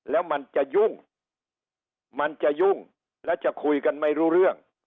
แล้วมันจะยุ่งมันจะยุ่งและจะคุยกันไม่รู้เรื่อง